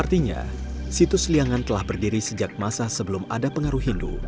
artinya situs liangan telah berdiri sejak masa sebelum ada pengaruh hindu